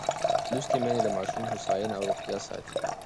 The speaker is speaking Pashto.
لوستې میندې د ماشوم هوساینه او روغتیا ساتي.